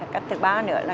cách thứ ba nữa là